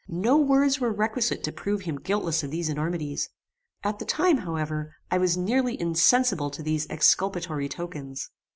No words were requisite to prove him guiltless of these enormities: at the time, however, I was nearly insensible to these exculpatory tokens.